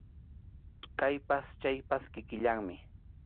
Kaypas chaypas kikillanmi.